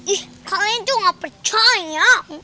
ih kalian tuh gak percaya